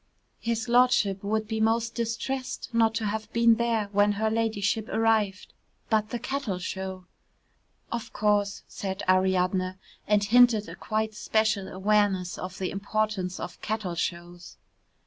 "His Lordship would be most distressed not to have been there when her ladyship arrived, but the cattle show " "Of course," said Ariadne, and hinted at a quite special awareness of the importance of Cattle Shows.